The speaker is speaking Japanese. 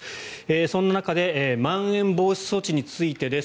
そんな中でまん延防止措置についてです。